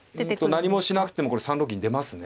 何もしなくても３六銀出ますね。